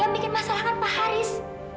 yang bikin masalah kan pak haris